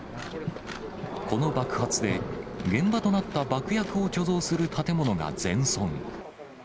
この爆発で、現場となった爆薬を貯蔵する建物が全損。